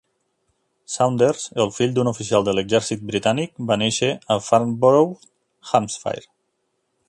Saunders, el fill d'un oficial de l'exèrcit britànic, va néixer a Farnborough, Hampshire.